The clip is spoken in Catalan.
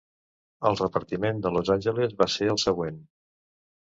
El repartiment de Los Angeles va ser el següent: